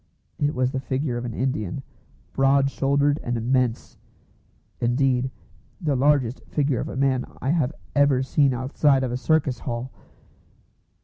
It was the figure of an Indian, broad shouldered and immense; indeed, the largest figure of a man I have ever seen outside of a circus hall.